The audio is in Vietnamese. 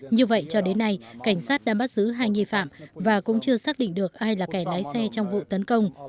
như vậy cho đến nay cảnh sát đã bắt giữ hai nghi phạm và cũng chưa xác định được ai là kẻ lái xe trong vụ tấn công